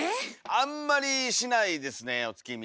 あんまりしないですねお月見。